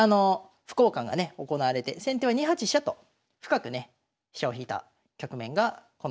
歩交換がね行われて先手は２八飛車と深くね飛車を引いた局面がこの局面ですね。